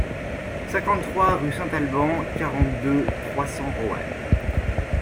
cinquante-trois rue Saint-Alban, quarante-deux, trois cents, Roanne